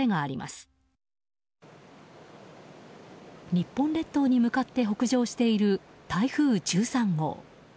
日本列島に向かって北上している台風１３号。